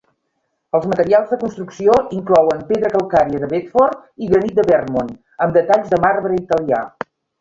Els materials de construcció inclouen pedra calcària de Bedford i granit de Vermont amb detalls de marbre italià.